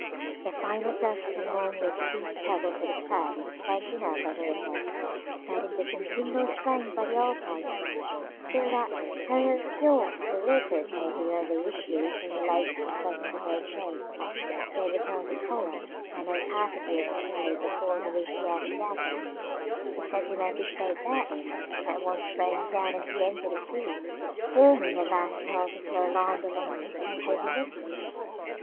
The finer dust among which these pebbles are dispersed is taken up by the rivers, fed into continual strength by the Alpine snow, so that, however pure their waters may be when they issue from the lakes at the foot of the great chain, they become of the color and opacity of clay before they reach the Adriatic; the sediment which they bear is at once thrown down as they enter the sea, forming a vast belt of low land along the eastern coast of Italy.